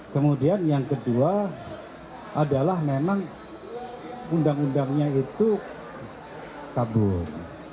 kemudian yang kedua adalah memang undang undangnya itu kabur